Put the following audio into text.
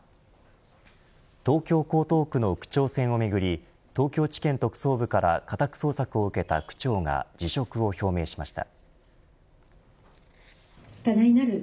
東京・江東区の区長選をめぐり東京地検特捜部から家宅捜索を受けた区長が辞職を表明しました。